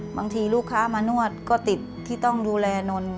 บางทีลูกค้ามานวดก็ติดที่ต้องดูแลนนท์